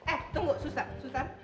eh tunggu sutan sutan